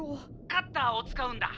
「カッターを使うんだ」。